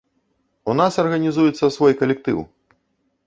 У нас арганізуецца свой калектыў.